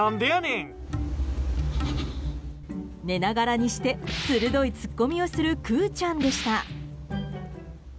寝ながらにして鋭いツッコミをするクゥちゃんでした。